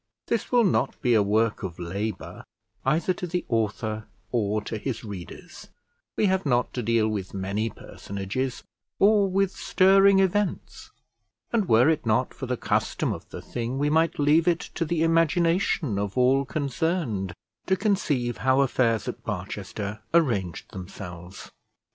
This will not be a work of labour, either to the author or to his readers; we have not to deal with many personages, or with stirring events, and were it not for the custom of the thing, we might leave it to the imagination of all concerned to conceive how affairs at Barchester arranged themselves.